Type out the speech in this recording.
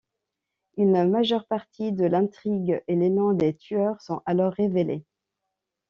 Une majeure partie de l'intrigue et les noms des tueurs sont alors révélés.